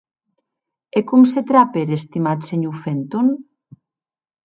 E com se trape er estimat senhor Fenton?